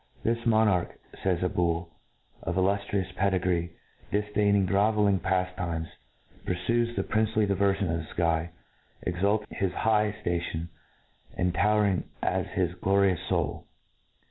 " This monarch,'* faysAbiil, " of illuftrious pedigree, dif daining groveling paftimes, purfues the princely di veriions of the iky, exalted as his high ftation, and towering as his glorious foul.